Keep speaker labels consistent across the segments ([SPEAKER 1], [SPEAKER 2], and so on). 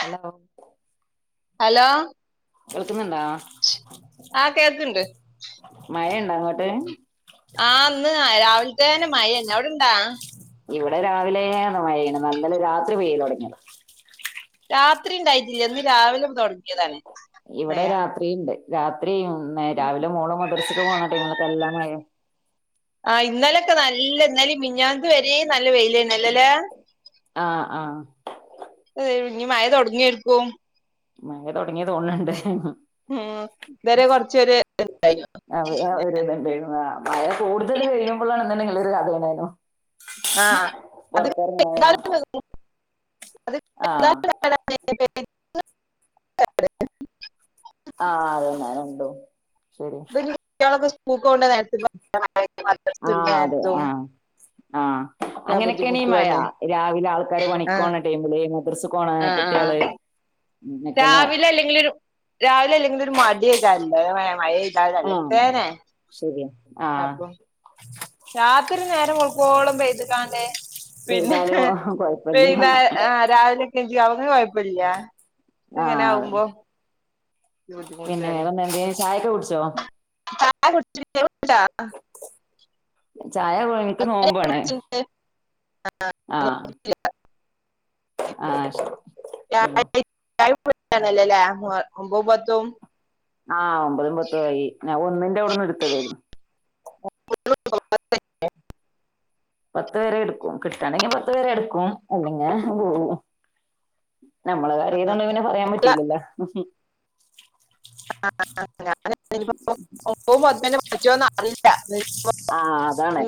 [SPEAKER 1] Hello?
[SPEAKER 2] Hello?
[SPEAKER 1] കേൾക്കുന്നുണ്ടോ
[SPEAKER 2] ആഹ് കേക്ക്ണ്ട്
[SPEAKER 1] അങ്ങോട്ടെ
[SPEAKER 2] ആഹ് ഇന്ന് രാവിലെ തന്നെ മഴന്നെ അവിടെണ്ടാ
[SPEAKER 1] ഇവിടെ രാവിലെന്നെ നല്ല മഴയാണ് ഇന്നലെ രാത്രി പെയ്യല് തുടങ്ങിയതാ
[SPEAKER 2] രാത്രിണ്ടായിട്ടില്ല ഇന്ന് രാവിലെ തുടങ്ങിയതാണ്
[SPEAKER 1] ഇവിടെ
[SPEAKER 2] മഴ
[SPEAKER 1] രാത്രി ഉണ്ട് രാത് [unintelligible]
[SPEAKER 2] ഇ-
[SPEAKER 1] രാവിലെ മോളെ മദ്രസക്ക് പോണ ടൈംമിലൊക്കെ നല്ല മഴെ
[SPEAKER 2] ആഹ് ഇന്നലൊക്കെ നല്ല ഇന്നലിം മിഞ്ഞാന്ന് വരേ നല്ല വെയിലന്നെല്ലെ ലേ
[SPEAKER 1] ആഹ് ആഹ്
[SPEAKER 2] ഏഹ് ഇഞ് മഴ തൊട്ങ്ങേര്ക്കും
[SPEAKER 1] മഴ തൊട്ങ്ങി തോന്നണ് ണ്ട്
[SPEAKER 2] ഉം ഇതരെ കൊർച്ചൊര് ഇണ്ടായിനു
[SPEAKER 1] അവ ഒരു ഇതുണ്ടായിരുന്നു ആ മഴ കൂടുതൽ പെയ്യുമ്പളാണ് ഇങ്ങനെലൊരു കഥേണേലോ
[SPEAKER 2] ആഹ്
[SPEAKER 1] ആഹ്
[SPEAKER 2] [unintelligible] [unintelligible]
[SPEAKER 1] ആ അത് തന്നെ രണ്ടും
[SPEAKER 2] [unintelligible] [unintelligible] മദ്രസ
[SPEAKER 1] ആ
[SPEAKER 2] വിടണ
[SPEAKER 1] അതെ
[SPEAKER 2] നേരത്തും
[SPEAKER 1] ആഹ ആഹ,
[SPEAKER 2] ഒക്കെ
[SPEAKER 1] അങ്ങനെയൊക്കെയണീ മഴ
[SPEAKER 2] ബുദ്ധിമുട്ടുവാണ്
[SPEAKER 1] രാവിലെ ആൾക്കാര്
[SPEAKER 2] ആ
[SPEAKER 1] പണിക്കോണ ടൈമില് മദ്രസ പോണ
[SPEAKER 2] ആ ആ
[SPEAKER 1] കുട്ടികള് എന്നൊക്കെയുള്ള
[SPEAKER 2] രാവിലെ അല്ലെങ്കിൽ ഒരു രാവിലെ അല്ലെങ്കില ഒരു മടി [unintelligible] [unintelligible]
[SPEAKER 1] ആഹ.
[SPEAKER 2] രാത്രി നേരം വെളുക്കോളും പൈതികാണ്ട് പിന്നെ
[SPEAKER 1] ചെയ്താലും കൊഴപ്പല്ല
[SPEAKER 2] പിന്നെ രാവിലെ [unintelligible] കൊഴപ്പല്ല്യ. എങ്ങനെ
[SPEAKER 1] ആഹ് അതെ
[SPEAKER 2] ആകുമ്പോ [unintelligible]
[SPEAKER 1] ചായ [unintelligible] കുടിച്ചോ
[SPEAKER 2] [unintelligible]
[SPEAKER 1] ചായ എനിക്ക് നോമ്പോണ്. ആഹ. ആഹ് ശ ആഹ്
[SPEAKER 2] [unintelligible] ഒമ്പതും പത്തും
[SPEAKER 1] ആഹ് ഒമ്പതും പത്തും ആയി ഒന്നിന്റെ അവിടെന്ന് എടുത്തതായിരുന്നു പത്ത് പേരെ എടുക്കും കിട്ടണെങ്കി പത്തു പേരെ എടുക്കും അല്ലെങ്കിൽ പോകും നമ്മളെ കാര്യം ആയോണ്ട് പിന്നെ പറയാൻ പറ്റൂലല്ലോ
[SPEAKER 2] കൊച്ച് വന്നോ അറിയില്ല
[SPEAKER 1] ആഹ് അതാണ്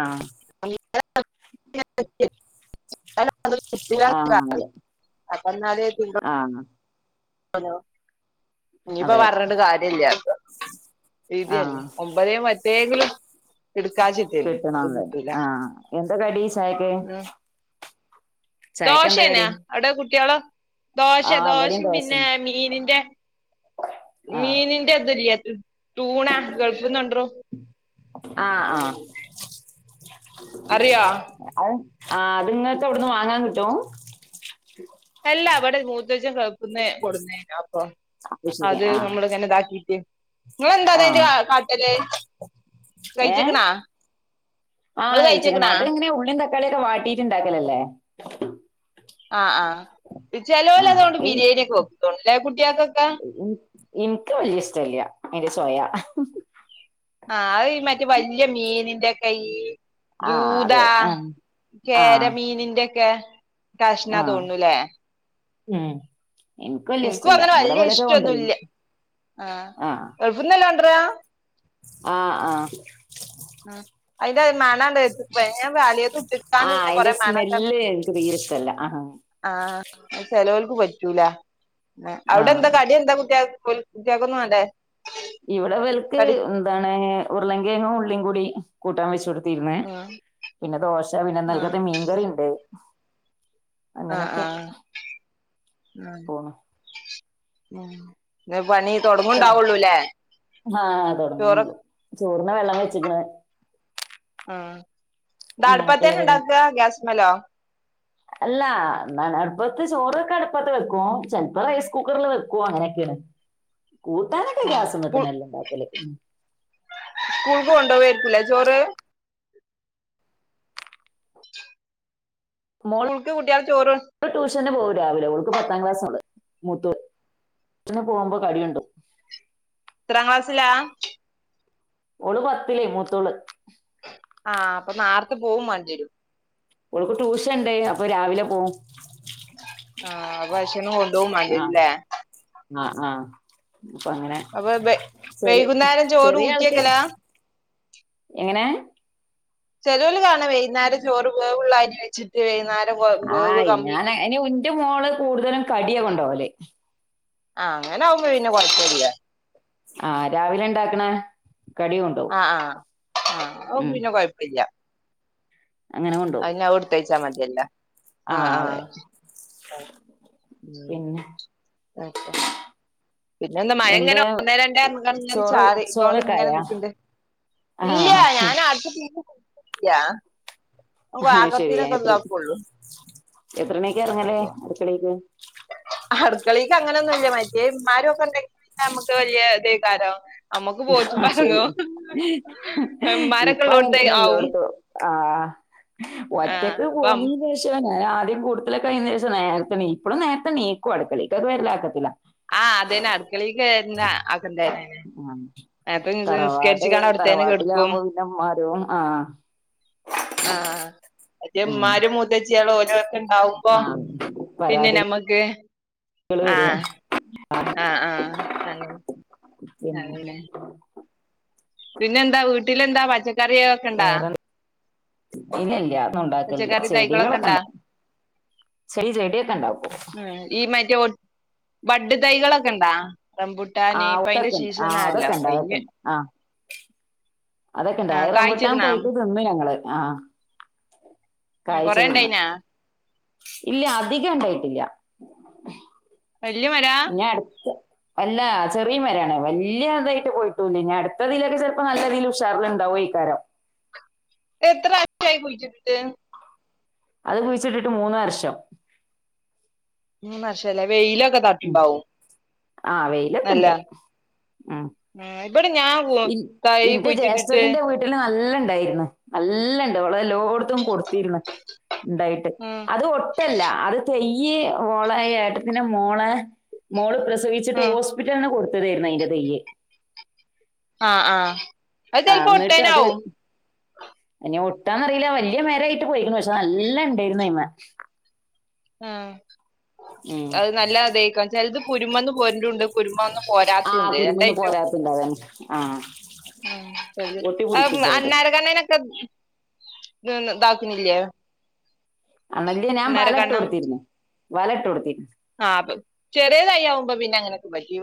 [SPEAKER 1] ആഹ്
[SPEAKER 2] [inaudible] [inaudible] അത്
[SPEAKER 1] ആഹ് അതെ
[SPEAKER 2] എന്നാല് പി
[SPEAKER 1] ആഹ്
[SPEAKER 2] ഹലോ ഇനിയിപ്പൊ
[SPEAKER 1] അതെ
[SPEAKER 2] പറഞ്ഞിട്ട് കാര്യം ഇല്ല
[SPEAKER 1] ആഹ്
[SPEAKER 2] വിധിയല്ലെ ഒമ്പതേ പറ്റൂ തേങ്ങുല
[SPEAKER 1] കിട്ടണം അത് ആഹ് എന്താ കടി ചായക്ക് ചായക്കെന്താ
[SPEAKER 2] ദോശേനെ
[SPEAKER 1] കടി?
[SPEAKER 2] അവിടെ കുട്ടിയള് ദോശ
[SPEAKER 1] ആ ഇവടിം
[SPEAKER 2] ദോശയും പിന്നെ
[SPEAKER 1] ദോശന്നെ
[SPEAKER 2] മീനിന്റെ
[SPEAKER 1] ആഹ്
[SPEAKER 2] മീനിന്റെ ഇതുല്ലേ ഉം ടൂണാ ഗൾഫ്ന്ന്ണ്ടറോ
[SPEAKER 1] ആഹ് ആഹ്
[SPEAKER 2] അറിയാ
[SPEAKER 1] ആ അത്ങ്ങക്ക് അവിടുന്ന് വാങ്ങാൻ കിട്ടും
[SPEAKER 2] എല്ല അവിടെ മൂത്തജം ഗൾഫിന്നു കൊടുത്തേന
[SPEAKER 1] ശരി
[SPEAKER 2] അത്
[SPEAKER 1] ആഹ്
[SPEAKER 2] നമ്മൾ ഇങ്ങനെ ഇതാക്കിട്ട് നിങ്ങളന്താ അതിന്റെ
[SPEAKER 1] ആഹ്
[SPEAKER 2] കാ കാട്ടത്
[SPEAKER 1] ഏഹ്
[SPEAKER 2] കഴിച്ച്ക്കണാ
[SPEAKER 1] ആഹ്
[SPEAKER 2] നിങ്ങള്
[SPEAKER 1] കഴിച്ച്ക്ക്ണ്
[SPEAKER 2] കഴിച്ച്ക്കണാ
[SPEAKER 1] അതെങ്ങനെ ഉള്ളിം തക്കാളിയൊക്കെ വാട്ടിട്ട്ണ്ടാക്കലല്ലേ?
[SPEAKER 2] ആ ആ ചലോല അതുകൊണ്ട് ബിരിയാണി ഒക്കെ വെക്കും തൊണ്ടായ കുട്ടിയക്കെ
[SPEAKER 1] എനിക്ക് വല്ല്യ ഇഷ്ടല്ല അയ്‌ന്റെ ചോയ
[SPEAKER 2] ആ അഹ് മറ്റ വലിയ മീനിന്റെ അയ്
[SPEAKER 1] ആഹ് അതെ
[SPEAKER 2] ദൂതാ
[SPEAKER 1] ആഹ് ആഹ്
[SPEAKER 2] കേരമീനിന്റെ [unintelligible] കഷ്ണ തോണ്ണൂലേ
[SPEAKER 1] ഉം
[SPEAKER 2] എനിക്കും അങ്ങനെ വലിയ ഇഷ്ടൊന്നുമല്ല ആ
[SPEAKER 1] ആഹ്
[SPEAKER 2] ഗൾഫ്ന്ന് [unintelligible]
[SPEAKER 1] ആഹ് ആഹ്
[SPEAKER 2] ഉം അയിന്റെ ഒരു മണണ്ട് [unintelligible] ഞാൻ
[SPEAKER 1] ആഹ്
[SPEAKER 2] [unintelligible]
[SPEAKER 1] അയ്ന്റെ
[SPEAKER 2] കൊറെ മണൊക്കെ
[SPEAKER 1] സ്മെല്ല് ഇൻക്ക് തീരെ ഇഷ്ടല്ല ആഹ്
[SPEAKER 2] ആഹ് ആ ചെലോൽക്ക് പറ്റൂല ഉം അവിടെ
[SPEAKER 1] ആഹ്
[SPEAKER 2] എന്താ കടി എന്താ കുട്ടിയേ ഓൽക് കുട്ടിയേക്കൊന്നും വേണ്ടേ?
[SPEAKER 1] ഇവിടെ ഇവൽക്ക്
[SPEAKER 2] കടി
[SPEAKER 1] എന്താണ് ഉരുളങ്കെഴങ്ങും ഉള്ളിം കൂടി കൂട്ടാൻ വെച്ച് കൊടുത് ന്ന്
[SPEAKER 2] ആഹ്
[SPEAKER 1] പിന്നെ ദോശ പിന്നെ
[SPEAKER 2] ആഹ്
[SPEAKER 1] ഇന്നൽത്തത്തെ മീൻകറിയുണ്ട്
[SPEAKER 2] ആഹ് ആഹ് ഉം
[SPEAKER 1] പോണ്
[SPEAKER 2] ഉം [inaudible] തൊടങ്ങുണ്ടാവുള്ളൂല്ലേ
[SPEAKER 1] ആഹ
[SPEAKER 2] ചോറ്
[SPEAKER 1] തോടങ്ങുന്നുള്ളു ചോറിന വെള്ളം വെച്ചിക്കണ
[SPEAKER 2] ദ ടപതുതനെ ഉണ്ടകുവേ ഗ്യസ് മലോ
[SPEAKER 1] അല്ല എന്നാണ് അടുപ്പത്തെ ചോറൊക്കെ അടുപ്പത്ത് വെക്കുവോ ചെലപ്പോ റൈസ് കുക്കറില് വെക്കുവോ അങ്ങനെയൊക്കെയാണ് കുട്ടൻനൊക്കെ ഒക്കെ
[SPEAKER 2] ആഹ് സ്കൂൾ
[SPEAKER 1] ഗ്യാസിൽമാതന്ന ഉണ്ടാക്കൽ
[SPEAKER 2] ല ചോറ് സ്കൂൾളിക് കുട്ടിയാല ചോർ
[SPEAKER 1] [unintelligible] പോകവും രാവിലെ ഓൾക്ക് പത്താം ക്ലാസ്സ് ഓൾ മുത്തൊള്ള പോകുമ്പോ കടിയുണ്ടും
[SPEAKER 2] എത്രക്ലാസ്സിലാ
[SPEAKER 1] ഓൾ പത്തില് മൂത്തോള്
[SPEAKER 2] ആ അപ്പൊ നേർത്തെ പോവും വാണ്ട്യരും
[SPEAKER 1] ഓക്ക് ട്യൂഷൻ ണ്ട് അപ്പൊ രാവിലെ പോവും
[SPEAKER 2] ആ അപ്പ ക്ഷണം കൊണ്ടോവും വണ്ടുരും ല്ലേ
[SPEAKER 1] ആ ആ അപ്പൊ അങ്ങനെ
[SPEAKER 2] വെ
[SPEAKER 1] ചെറിയ
[SPEAKER 2] വൈകുന്നേരം ചോറ്
[SPEAKER 1] ചെറിയ ആൾക്ക്
[SPEAKER 2] ഊറ്റിയക്കലാ
[SPEAKER 1] എങ്ങനെ
[SPEAKER 2] ചെലോല് കാണാ വൈന്നേരം ചോറ് വേവ്ള്ള അരി വെച്ച് ത്തി വൈകുന്നേരം വേവ്
[SPEAKER 1] ആഹ്
[SPEAKER 2] കമ്മി
[SPEAKER 1] ഞാൻ അയിന് ഇന്റെ മോള് കൂടുതലും കടിയ കൊണ്ടോകല്
[SPEAKER 2] ആ അങ്ങനെ ആവുമ്പോ പിന്നെ കുഴപ്പയില്ലേ
[SPEAKER 1] ആ രാവിലെ ഇണ്ടാക്കണ കടി കൊണ്ടോവും
[SPEAKER 2] ആ ആ അപ്പം
[SPEAKER 1] ഉം
[SPEAKER 2] പിന്നെ കുഴപ്പില്ല
[SPEAKER 1] അങ്ങനെ കൊണ്ടോവും
[SPEAKER 2] അതഞ്ഞെ കെടുത്തഴച്ചാ മതിയല്ല ആ
[SPEAKER 1] ആഹ്
[SPEAKER 2] ആ
[SPEAKER 1] അതെ
[SPEAKER 2] ഉം
[SPEAKER 1] പിന്നെ
[SPEAKER 2] ആക്ക പിന്നെ എന്താ മഴ ഇങ്ങനെ ഒന്നേ രണ്ടേ തുള്ളികള് ഇങ്ങനെ
[SPEAKER 1] ചോറ്
[SPEAKER 2] ചാറി കോണ്ട് ഇങ്ങനെ
[SPEAKER 1] ചോറൊക്കായാ
[SPEAKER 2] നിക്കണ്ട് ഇല്ല
[SPEAKER 1] ആഹ്
[SPEAKER 2] ഞാന അടുത്ത യാ ഇപ്പ
[SPEAKER 1] അഹ്
[SPEAKER 2] വകത്തിനക പള്ളു
[SPEAKER 1] എത്രണിക്ക് ഇറങ്ങല്ലേ അടുക്കലെക്ക്
[SPEAKER 2] അടുക്കളെക്ക് അങ്ങനെന്നു മില്ല മറ്റേന്മാരും ഒക്കെ ഉണ്ടെങ്കില് നമുക്ക് വലിയ ഇത കാരോ
[SPEAKER 1] ആ ശരി
[SPEAKER 2] ഇമ്മാരൊക്കെ
[SPEAKER 1] ഇപ്പം
[SPEAKER 2] ഉള്ളോട്ത്ത്
[SPEAKER 1] അങ്ങനത്തന്നല്ലോ
[SPEAKER 2] ആവും
[SPEAKER 1] അടത്തോ ആ
[SPEAKER 2] ആഹ്
[SPEAKER 1] ഒറ്റക്ക്
[SPEAKER 2] അപ്പം
[SPEAKER 1] പോണിന് ശേഷ ആദ്യം കുടുതലൊക്കെ കൈന് ശേഷം നേരത്തെണിക്കും ഇപ്പഴും നേരത്തെ ണിക്കും അടുക്കലേയിക്ക് ഇപ്പോ വീട്ടിലാരുണിക്കത്തില്ല
[SPEAKER 2] ആ അതന്നെ അടുക്കളയിക്ക് കേറേണ്ട അത്
[SPEAKER 1] ഉം
[SPEAKER 2] അപ്പം നിസ്കരിച്ചു കാണ അവിടെത്തന്നെ കിടക്കും
[SPEAKER 1] തറവാട്ടിലാവുമ്പോ പിന്നെ ഉമ്മാരും ആഹ്
[SPEAKER 2] ആ മറ്റേ
[SPEAKER 1] ഉം
[SPEAKER 2] ഉമ്മാരും മൂത്തച്ചിയളു ഓര് ഒക്കെ ഇണ്ടാവുമ്പോ
[SPEAKER 1] ആഹ്
[SPEAKER 2] പിന്നെ
[SPEAKER 1] പരാതികള്
[SPEAKER 2] നമ്മക്ക്
[SPEAKER 1] [unintelligible]
[SPEAKER 2] ആ ആഅ
[SPEAKER 1] [inaudible]
[SPEAKER 2] പിന്നെ എന്താ വീട്ടിലെന്താ പച്ചക് കറിയൊക്കെ ഉണ്ടോ
[SPEAKER 1] വേറെ [unintelligible]
[SPEAKER 2] പച്ചക്കറി തൈകളൊക്കെ
[SPEAKER 1] ചെടികളൊക്കെ
[SPEAKER 2] ഒണ്ടാ
[SPEAKER 1] ഇണ്ടാ ചെടി ചെടിയൊക്കെ ഇണ്ടാക്കും
[SPEAKER 2] ഈ മറ്റേ ബോ ബഡ്. തൈകളൊക്കെ ഒണ്ടാ?
[SPEAKER 1] ആ ഔട്ടാക്കും അതൊക്കെണ്ട് ആ അതൊക്കെണ്ട്.
[SPEAKER 2] കഴിഞ്ഞ്
[SPEAKER 1] അതൊക്കെുണ്ട് ആ അതൊക്കെണ്ട്.
[SPEAKER 2] ആ
[SPEAKER 1] റംപൂട്ടാൻ
[SPEAKER 2] കായ്ച്ച്ക്ക്ണാ
[SPEAKER 1] പോയിട്ട് തിന്നു ഞങ്ങള് ആ
[SPEAKER 2] [unintelligible] കൊറേണ്ടായിനാ?
[SPEAKER 1] ഇല്ല, അധികം ഉണ്ടായിട്ടില്ല.
[SPEAKER 2] വല്യ മരാ
[SPEAKER 1] ഞാൻ അടുത്ത അല്ല ചെറിയ മരയാണ് വല്യ അതായിട്ട് പോയിട്ടൊയൊന്നുല്ല ഇനി അടുത്തതിലൊക്കെ ചെലപ്പോ നല്ല രീതിയിൽ ഉഷാറിലുണ്ടാവോ. [unintelligible]
[SPEAKER 2] എത്ര ആഴ്ച ആയി കുഴിച്ചിട്ടിട്ട്?
[SPEAKER 1] അത് കുഴിച്ചിട്ടിട്ട് മൂന്ന് വർഷം.
[SPEAKER 2] [unintelligible] മാഷല്ല വെയില
[SPEAKER 1] ആ വെയിലൊക്കെ
[SPEAKER 2] നല്ല
[SPEAKER 1] ഇണ്ട് ആ
[SPEAKER 2] ഉം ഇവിടെ ഞാൻ ഒള്ളു തൈ കുഴിച്ചിട്ടിട്ട്
[SPEAKER 1] നല്ലണ്ടായിരുന്നു നല്ലണ്ട് ഓൾ എ എല്ലോടത്തും കൊടുത്തിരുന്നു ഉണ്ടായിട്ട്
[SPEAKER 2] ഉം
[SPEAKER 1] അത് ഒട്ടല്ല അത് തൈ ഈ ഓളെ ഏട്ടത്തിന്റെ മോളെ മോള് പ്ര സവിച്ചിട്ട്
[SPEAKER 2] ഉം
[SPEAKER 1] ഹോസ്പിലിന്ന് കൊടു ത്തതെയ്രുന്നു അയിന്റെ തയ്യ്
[SPEAKER 2] ആ ആ അത് ചലപ്പോ ഒട്ടന്നെ ആവും
[SPEAKER 1] കിട്ടാന്നറിയില്ല വലിയ മെരായിട്ട് പോയിരുന്നു പക്ഷെ നല്ല ഉണ്ടായിരുന്നു അയ്മ്മെ
[SPEAKER 2] ആ അത് നല്ലതെക്കും ചെലത് കുരുമന്ന് പോരുണതുണ്ട് കുരുമന്ന്
[SPEAKER 1] ആ
[SPEAKER 2] പോരാത്തുണ്ട്
[SPEAKER 1] കുരുമ്മന്ന്
[SPEAKER 2] രണ്ടായിട്ടും
[SPEAKER 1] പോരാത്തിഇണ്ടാവും അ ആ
[SPEAKER 2] ഉം ശരി
[SPEAKER 1] ഒട്ടി പിടിക്കും ചെലത്
[SPEAKER 2] അണ്ണാരെ കണ്ണനൊക്കെ ദാക്കിണില്ലേ
[SPEAKER 1] അന്നല്യേ ഞാൻ വല ഇട്ട് കൊടുത്തിരുന്നു വല ഇട്ട് കൊടുത്തി
[SPEAKER 2] ആ അപ്പൊ ചെറിയതയ്യാവുമ്പോ പിന്നെ അങ്ങനെയൊക്കെ പറ്റും ഇ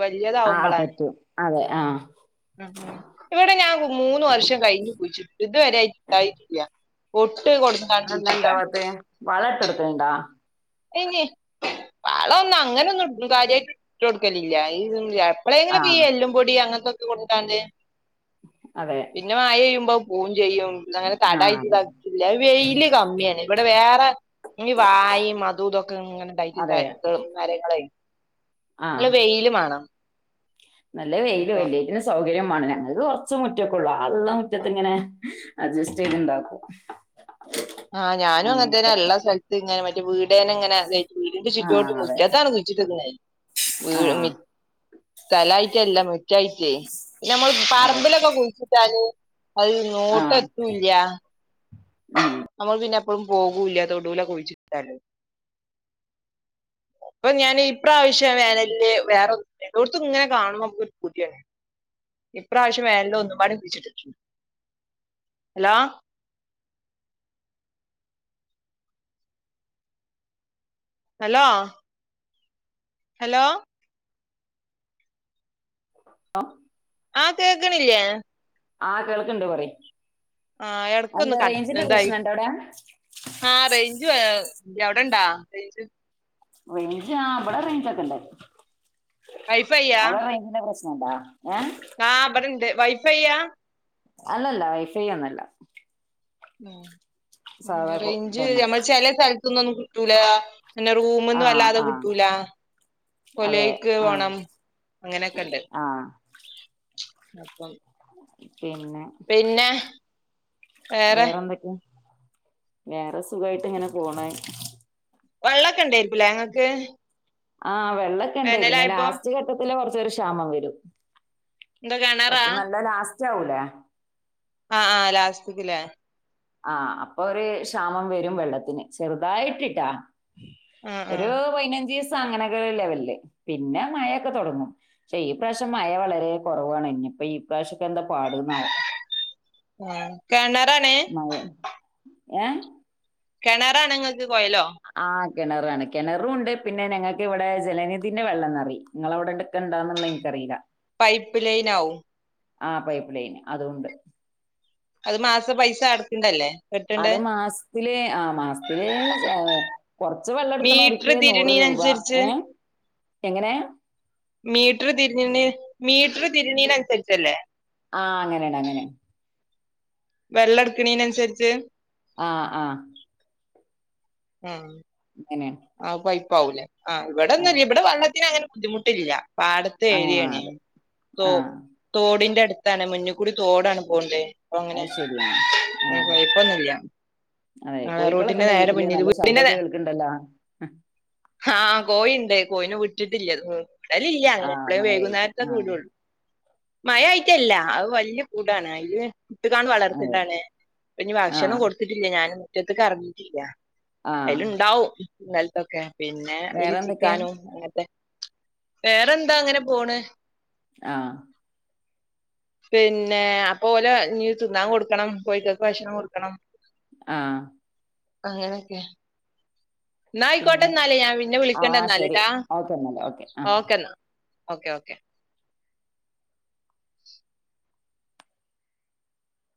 [SPEAKER 1] ആ
[SPEAKER 2] വലിയതാവുമ്പോളാണ്
[SPEAKER 1] പറ്റും അതെ ആ
[SPEAKER 2] ഉ ഇവിടെ ഞാൻ മൂന്ന് വർഷം കഴിഞ്ഞു കുഴിച്ചിട്ട് ഇതുവരെട്ടായട്ട് ഇണ്ടായിട്ടില്ല ഓട്ട്
[SPEAKER 1] അത് എന്താ ഇണ്ടവാത്തെ വളം ഇട്ട് കൊടുക്കലുണ്ടോ
[SPEAKER 2] ഇനി വളയൊന്നും അങ്ങനെന്നും കാര്യമായിട്ട് ഇട്ട് കൊടുക്കലില്ല എപ്പളെങ്കിലും
[SPEAKER 1] ആ
[SPEAKER 2] ഒക്കെ ഈ എല്ലുംപൊടി അങ്ങനത്തെക്കെ- കൊണ്ടാതേ
[SPEAKER 1] അതെ
[SPEAKER 2] പിന്നെ വായ വരുമ്പോ പു [unintelligible] ചെയ്യും അങ്ങനെ
[SPEAKER 1] ആ
[SPEAKER 2] കടവായിട്ട്
[SPEAKER 1] അതെ
[SPEAKER 2] ഇതാക്കിയിട്ടില്ല വെയില് കമ്മിയാണ് ഇവിടെ വേറെ ഈ വാ [unintelligible] യിമ്- അതുയും ഇതൊക്കെ ഇങ്ങനെ ഉണ്ടായിട്ട്
[SPEAKER 1] അതെ
[SPEAKER 2] ഉണ്ടേ മരങ്ങളെ
[SPEAKER 1] ആ
[SPEAKER 2] നല്ല വെയില് മേണം
[SPEAKER 1] നല്ല വെയിലും എല്ലയ്റ്റിനും സൗ കര്യം മാണം ഞങ്ങക്ക് കൊറച്ച് മുറ്റക്കെ ഒള്ളു ആള്ള മുറ്റത്ത് ഇങ്ങനെ അഡ്ജസ്റ്റ് ചെയ്ത്ണ്ടാക്കും.
[SPEAKER 2] ആ ഞാനും അങ്ങൻത്തനെ ഇള്ള സ്ഥലത്ത് ഇങ്ങനെ മറ്റേ വീടേനങ്ങനെ ഗൈ വീടിന്റെ
[SPEAKER 1] ആ
[SPEAKER 2] ചുറ്റോട്ട്
[SPEAKER 1] അതെ
[SPEAKER 2] മുറ്റത്താണ് കുഴിച്ചിട്ടത് ഞാൻ വ്
[SPEAKER 1] ആ
[SPEAKER 2] മിറ്റ് സ്ഥലായ്ട്ടല്ല മിറ്റായിട്ട് ഞമ്മൾ
[SPEAKER 1] അതെ
[SPEAKER 2] പറമ്പിലൊക്കെ കുഴിച്ചിട്ടാല് അത്
[SPEAKER 1] ആ
[SPEAKER 2] നോട്ട എത്തൂല്ല്യ
[SPEAKER 1] ഉം
[SPEAKER 2] പിന്നെ എപ്പഴും പോകൂല്ലതൊടൂല് കുഴിച്ചിട്ടാല് അപ്പൊ ഞാന് ഇപ്രാവശ്യം വേനൽന് വേറൊ എല്ലോട്ത്തുംഇങ്ങനെ കാണുമ്പ നമ്മുക്ക് ഒരു പൂതിയാണ് ഇപ്രാവശ്യം വേനൽന് ഒന്നുംപാടെ കുഴിച്ചിട്ടുണ്ട് ഹലോ ഹലോ ഹലോ
[SPEAKER 1] അ
[SPEAKER 2] ആ കേക്കണില്ലേ
[SPEAKER 1] ആ കേൾക്ക്ണ്ട് പറി
[SPEAKER 2] ആ എടക്കൊന്ന് കട്ട് ഇതായി
[SPEAKER 1] അവിടെ
[SPEAKER 2] ആ റേഞ്ച് ല്ല്യ അവിടെണ്ടാ റേഞ്ച്
[SPEAKER 1] റേഞ്ച് ആ ഇവിടെ റേഞ്ചൊക്കെണ്ട് അവിടെ റേഞ്ച്ന്റെ പ്രശ് അണ്ടാ ഏ
[SPEAKER 2] കാ ഇവിടെണ്ട് വൈ ഫൈ യ
[SPEAKER 1] അല്ലല്ല വൈ ഫൈ ഒന്നു അല്ല
[SPEAKER 2] ഉം റേഞ്ച്
[SPEAKER 1] തന്നെ
[SPEAKER 2] ഞമ്മൾ ചില സ ത്തുന്നൊന്നും കിട്ടൂല പിന്നെ
[SPEAKER 1] ആ
[SPEAKER 2] റൂമ്ന്ന് വല്ലാതെ
[SPEAKER 1] ആ
[SPEAKER 2] കിട്ടൂല
[SPEAKER 1] അതെ
[SPEAKER 2] കൊലൈക്ക്
[SPEAKER 1] ആ
[SPEAKER 2] പോണം അങ്ങനെക്കെ ണ്ട്
[SPEAKER 1] ആ
[SPEAKER 2] അപ്പം
[SPEAKER 1] പിന്നെ
[SPEAKER 2] പിന്നെ വേറെ
[SPEAKER 1] വേറെന്തൊക്കെയാ വേറെ സുഖായിട്ട് ങ്ങനെ പോണ്
[SPEAKER 2] വെള്ളൊക്കെ ണ്ടെർക്കുലെ ങ്ങക്ക്
[SPEAKER 1] ആ വെ വെള്ളം ഒക്കെ ണ്ട് പിന്നെ ലാസ്റ്റ് ഘട്ടത്തില് കൊർ ചെറു ക്ഷാമം വരും
[SPEAKER 2] ന്താ കെണറാ
[SPEAKER 1] പറ്റ [unintelligible]
[SPEAKER 2] ആ ലാസ്റ്റ്ക്ക് ലെ
[SPEAKER 1] ആ അപ്പൊ ഒരു ക്ഷാമം വരും വെള്ളത്തിന് ചെറുതായിട്ടിട്ടാ
[SPEAKER 2] ആ ആ
[SPEAKER 1] ഒരു പൈനഞ്ചീസ അങ്ങനൊക്കെ ഒരു ലെവലില് പിന്നെ മഴയൊക്കെ തുടങ്ങും പക്ഷെ ഈ പ്രാവശ്യം മഴ വളരെ കുറവാണ് ഇഞ്ഞിപ്പം ഈ പ്രാവശ്യം എന്താ പാടുന്നാവോ
[SPEAKER 2] ആ കെണറാണ്
[SPEAKER 1] മഴ ഏ
[SPEAKER 2] കെണറാണ് ങ്ങക്ക് ത് കൊയല്ലോ
[SPEAKER 1] ആ കിണറാണ് കിണറും ഉണ്ട് പിന്നെ ഞങ്ങൾക്ക് ഇവിടെ ജലനിധിന്റെ വെള്ളംന്നറിം നിങ്ങളവിടെണ്ട്
[SPEAKER 2] പൈപ്പ് ലൈനാവും
[SPEAKER 1] ആഹ് പൈപ്പ് ലൈന് അതുണ്ട്
[SPEAKER 2] അത് മാസ പൈസ അടക്ക്ണല്ലേ?
[SPEAKER 1] അത് മാസത്തില് ആ മാസത്തില് കൊറച്ച് വെള്ളം
[SPEAKER 2] മീറ്റർ
[SPEAKER 1] ഇട്ക്ക്ണോര്ക്ക് നൂറ് രൂപ
[SPEAKER 2] തിരിണീനൻസരിച്ച്
[SPEAKER 1] ഏഹ് എങ്ങനേ
[SPEAKER 2] മീറ്റർ തിരിഞ്ഞ്ണ്ണ് മീറ്റർ തിരിണീന് അന്സരിച്ചല്ലേ
[SPEAKER 1] ആ അങ്ങനെയാണ് അങ്ങനെയാണ്
[SPEAKER 2] വെള്ളം ഇട്ക്ക്ണീനന്സരിച്ച്
[SPEAKER 1] ആഹ് ആഹ്
[SPEAKER 2] ഉം
[SPEAKER 1] അങ്ങനെയാണ്
[SPEAKER 2] ആ പൈ പ്പാകുലേ ആ
[SPEAKER 1] ആ
[SPEAKER 2] ഇവിടെന്നുല്ല്യ ഇവിടെ വെള്ളത്തിന ബുദ്ധിമുട്ടില്ല പാടത്ത്
[SPEAKER 1] ആ
[SPEAKER 2] ഏര്യാണ്
[SPEAKER 1] അതെ
[SPEAKER 2] തോ
[SPEAKER 1] ആ
[SPEAKER 2] തോടിന്റെ അടു അതാണ് മുന്നിൽ കൂടി തോടാണ് പോക്ണ്ട്
[SPEAKER 1] അത് ശരിയാ ആഹ് അതെ കോഴിക്കളൊക്കെ
[SPEAKER 2] റോട്ടിന്റെ
[SPEAKER 1] ഉണ്ടോ
[SPEAKER 2] നേരെ
[SPEAKER 1] വീട്ടില്
[SPEAKER 2] മുന്നില്
[SPEAKER 1] നല്ല ശബ്ദൊക്കെ കേൾക്കണ്ടല്ലോ അഹ്
[SPEAKER 2] ഹാ കോയിണ്ട് കോയിനെ വിട്ടിട്ടില്യേര്ന്നൂ. വിടലില്ല്യ
[SPEAKER 1] ആ
[SPEAKER 2] അങ്ങനെ എപ്പളേം
[SPEAKER 1] മഴയായിട്ട് ആ
[SPEAKER 2] വൈകുന്നേരത്തൊക്കെ വിടൊള്ളൂ മയായിട്ടല്ല അത് വല്യ കൂടാണ് അയ്‌ല് ട്ട്കാണ്
[SPEAKER 1] അതെ
[SPEAKER 2] വളർത്ത്ട്ടാളേ
[SPEAKER 1] ആ
[SPEAKER 2] മുറ്റത്ത് കറണ്ടില്ലാ
[SPEAKER 1] ആ
[SPEAKER 2] അയ്ല്ണ്ടാവും നെല്ലൊക്കെ പിന്നെ
[SPEAKER 1] വേറെ
[SPEAKER 2] ഇയ്‌ല്
[SPEAKER 1] എന്തൊക്കെയാ
[SPEAKER 2] ചിക്കാനും ങ്ങനത്തെ വേറെന്താ അങ്ങനെ പോണ്
[SPEAKER 1] ആ
[SPEAKER 2] പിന്നെ അപ്പോലെ ഞ്ഞ് തിന്നാൻ കൊട്ക്കണം കോഴിക്കക്ക് ഭക്ഷണം കൊട്ക്കണം
[SPEAKER 1] ആ
[SPEAKER 2] അങ്ങനെയൊക്കെ ന്നാ
[SPEAKER 1] പിന്നെ
[SPEAKER 2] ആയിക്കോട്ടെന്നാല് ഞാൻ പിന്നെ
[SPEAKER 1] ആ ശരി
[SPEAKER 2] വിളിക്കണ്ടെന്നാലട്ടാ
[SPEAKER 1] ഓക്കെ എന്നാല് ഓക്കെ ആ
[SPEAKER 2] ഓക്കേന്നാ ഓക്കെ ഓക്കെ